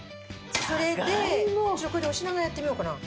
それで一応これで押しながらやってみようかな。